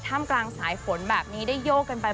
กลางสายฝนแบบนี้ได้โยกกันไป